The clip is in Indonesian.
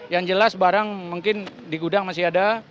yang jelas barang mungkin di gudang masih ada